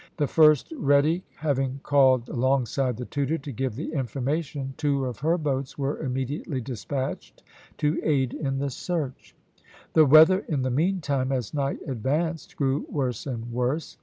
The first ready having called alongside the Tudor to give the information, two of her boats were immediately despatched to aid in the search. The weather in the meantime, as night advanced, grew worse and worse.